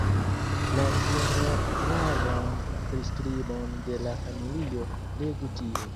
La ĝeneralan priskribon de la familio legu tie.